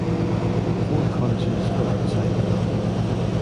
Four cottages are outside the building.